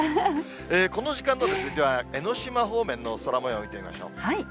この時間の、江の島方面の空もようを見てみましょう。